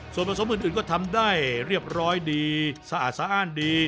ส่วนผสมอื่นก็ทำได้เรียบร้อยดีสะอาดสะอ้านดี